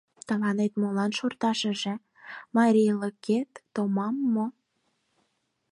Тыланет молан шорташыже: марийлыкет томам мо?